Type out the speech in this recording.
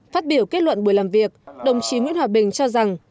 phát biểu kết luận buổi làm việc đồng chí nguyễn hòa bình cho rằng